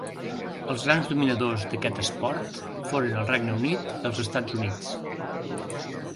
Els grans dominadors d'aquest esport foren el Regne Unit i els Estats Units.